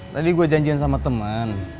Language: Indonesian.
tadi gua janjian sama temen